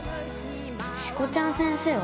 しこちゃん先生は？